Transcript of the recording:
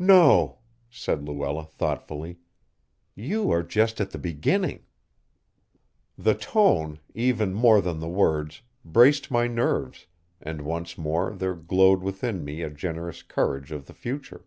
"No," said Luella thoughtfully. "You are just at the beginning." The tone, even more than the words, braced my nerves, and once more there glowed within me a generous courage of the future.